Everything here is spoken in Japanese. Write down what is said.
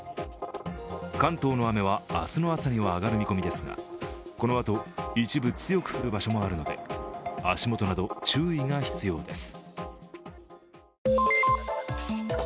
関東の雨は明日の朝には上がる見込みですがこのあと、一部強く降る場所もあるので足元など注意が必要です。